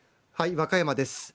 和歌山です。